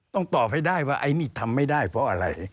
ต้องตอบให้ได้ว่าไอ้นี่ทำไม่ได้เพราะอะไร